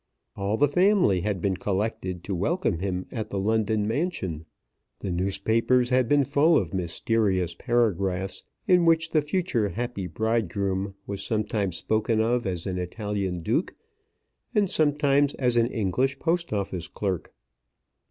All the family had been collected to welcome him at the London mansion. The newspapers had been full of mysterious paragraphs in which the future happy bridegroom was sometimes spoken of as an Italian Duke and sometimes as an English Post Office clerk.